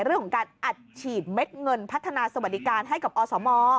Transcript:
เรื่องของการอัดฉีดเม็ดเงินพัฒนาสวัสดิการให้กับอสม